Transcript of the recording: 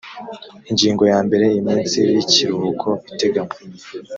ingingo ya mbere iminsi y ikiruhuko iteganywa